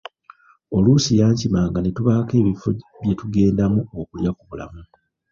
Oluusi yankimanga ne tubaako ebifo bye tugendamu okulya ku bulamu.